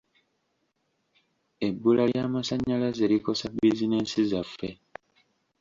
Ebbula ly'amasannyalaze likosa bizinensi zaffe.